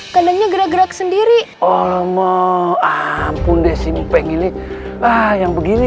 kadangnya gerak gerak sendiri oleh mo ampun deh simpengin nih lah yang begini